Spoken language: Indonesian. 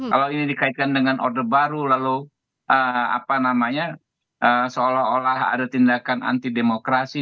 kalau ini dikaitkan dengan order baru lalu seolah olah ada tindakan anti demokrasi